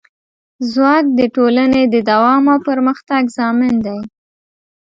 ځواک د ټولنې د دوام او پرمختګ ضامن دی.